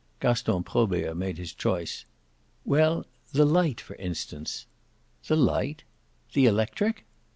Gaston Probert made his choice. "Well, the light for instance." "The light the electric?"